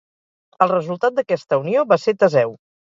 El resultat d'aquesta unió va ser Teseu.